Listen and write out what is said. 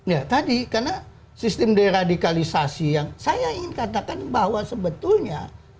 ya tadi karena sistem deradikalisasi yang saya ingin katakan bahwa sebetulnya